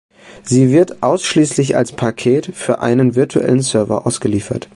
Sie wird ausschließlich als Paket für einen virtuellen Server ausgeliefert.